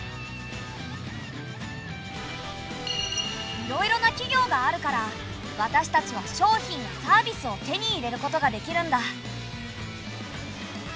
いろいろな企業があるから私たちは商品やサービスを手に入れることができるんだ。